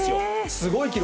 すごい記録。